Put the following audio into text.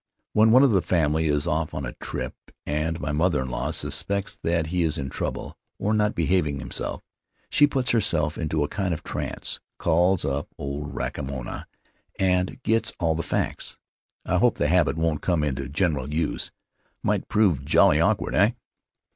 When one of the family is off on a trip, and my mother in law suspects that he is in trouble or not behaving himself, she puts herself into a kind of trance, calls up old Rakamoana, and gets all the facts. I hope the habit won't come into general use — might prove jolly awkward, eh?